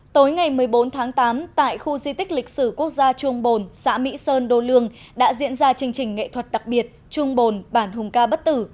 tối ngày một mươi bốn tháng tám tại khu di tích lịch sử quốc gia trung bồn xã mỹ sơn đô lương đã diễn ra chương trình nghệ thuật đặc biệt trung bồn bản hùng ca bất tử